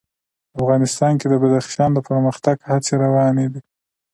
افغانستان کې د بدخشان د پرمختګ هڅې روانې دي.